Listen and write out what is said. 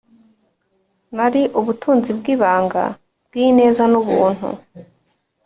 nari ubutunzi bwibanga bwineza nubuntu,